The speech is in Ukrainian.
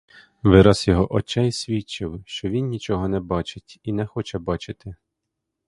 Вираз його очей свідчив, що він нічого не бачить і не хоче бачити.